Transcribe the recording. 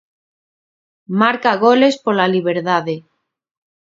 Marca goles pola liberdade.